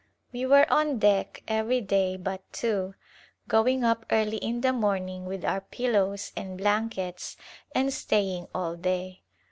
We were on deck every day but two, going up early in the morning with our pillows and blankets and staying all day.